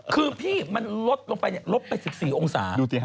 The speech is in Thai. คือพี่มันลดลงไปลบไป๑๔องศา